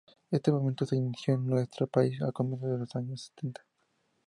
Este movimiento se inició en nuestro país a comienzos de los años sesenta.